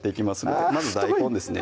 太いまず大根ですね